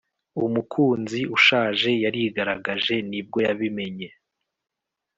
umukunzi ushaje yarigaragaje nibwo yabimenye